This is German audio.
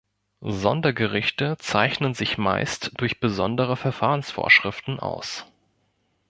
Sondergerichte zeichnen sich meist durch besondere Verfahrensvorschriften aus.